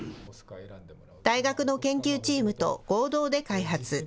大学の研究チームと合同で開発。